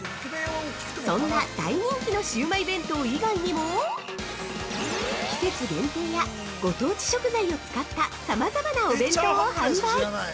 そんな大人気のシウマイ弁当以外にも、季節限定や、ご当地食材を使ったさまざまなお弁当を販売！